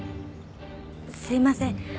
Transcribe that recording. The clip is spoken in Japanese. すみません